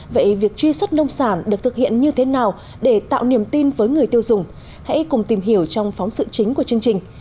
vậy việc truy xuất nông sản được thực hiện như thế nào để tạo niềm tin với người tiêu dùng hãy cùng tìm hiểu trong phóng sự chính của chương trình